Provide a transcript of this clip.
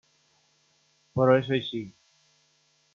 Però és així.